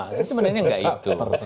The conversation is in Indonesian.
tapi sebenarnya nggak itu